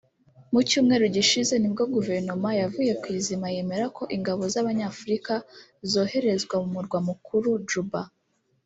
Mu cyumweru gishize nibwo Guverinoma yavuye ku izima yemera ko ingabo z’Abanyafurika zoherezwa mu murwa mukuru Juba